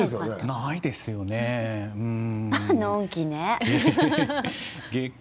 ないですよねうん。